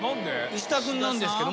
石田君なんですけど。